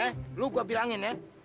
eh lu gue bilangin ya